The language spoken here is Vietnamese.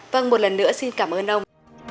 vâng một lần nữa xin cảm ơn ông